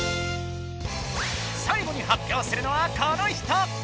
最後に発表するのはこの人！